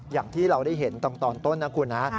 อย่างที่เราได้เห็นตอนต้นนะคุณฮะ